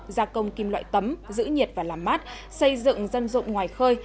gia công kim loại tấm giữ nhiệt và làm mát xây dựng dân dụng ngoài khơi